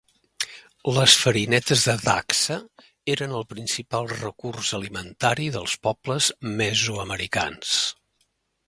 Les farinetes de dacsa eren el principal recurs alimentari dels pobles mesoamericans.